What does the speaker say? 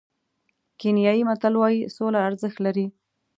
کینیايي متل وایي سوله ارزښت لري.